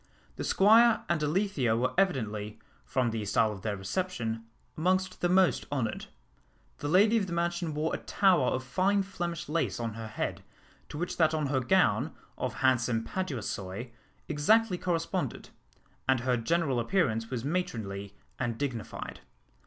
The Squire and Alethea were evidently, from the style of their reception, amongst the most honoured. The lady of the mansion wore a tower of fine Flemish lace on her head, to which that on her gown, of handsome paduasoy, exactly corresponded; and her general appearance was matronly and dignified.